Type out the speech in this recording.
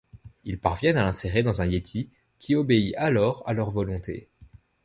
Ils parviennent à l'insérer dans un Yéti qui obéit alors à leur volonté.